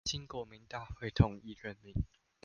經國民大會同意任命